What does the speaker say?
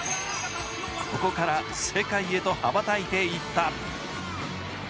ここから世界へと羽ばたいていった。